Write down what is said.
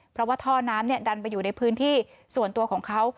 เพราะว่าท่อน้ำดันไปอยู่ในพื้นที่ส่วนตัวของเขา